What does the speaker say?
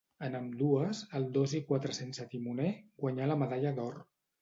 En ambdues, el dos i quatre sense timoner, guanyà la medalla d'or.